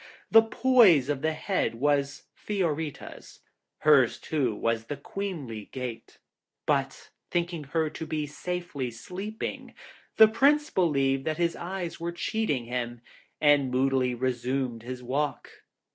The poise of the head was Fiorita's; hers, too, was the queenly gait. But thinking her to be safely sleeping, the Prince believed that his eyes were cheating him, and moodily resumed his walk.